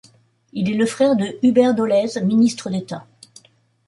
Il est le frère de Hubert Dolez, Ministre d'État.